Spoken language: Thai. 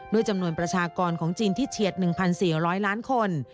จำนวนประชากรของจีนที่เฉียด๑๔๐๐ล้านคน